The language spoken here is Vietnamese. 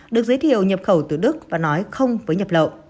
được giới thiệu nhập khẩu từ đức và nói không với nhập lậu